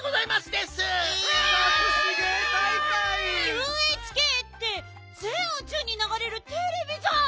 ＵＨＫってぜんうちゅうにながれるテレビじゃん！